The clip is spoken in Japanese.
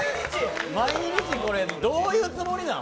毎日これ、どういうつもりなん？